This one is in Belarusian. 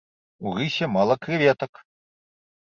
У рысе мала крэветак!